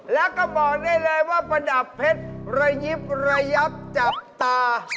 แล้วก็บอกได้เลยว่าประดับเพชรระยิบระยับจับตา